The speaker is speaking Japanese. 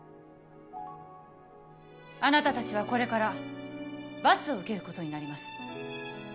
あなたたちはこれから罰を受けることになります。